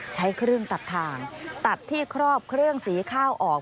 ใช้เครื่องตัดทางตัดที่ครอบเครื่องสีข้าวออก